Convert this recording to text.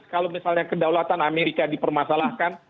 kalau misalnya kedaulatan amerika dipermasalahkan